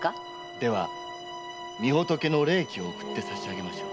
では御仏の霊気を送って差し上げましょう。